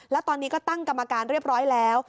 แล้วตอนนี้ก็ตั้งกรรมการเรียบร้อยแล้ว